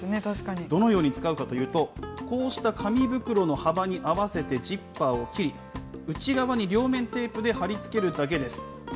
どのように使うかというと、こうした紙袋の幅に合わせてジッパーを切り、内側に両面テープで貼り付けるだけです。